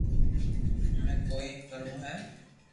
منو ڪوئي ڪروہ ھئ